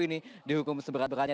ini dihukum seberat beratnya